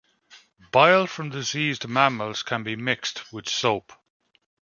Bile from deceased mammals can be mixed with soap.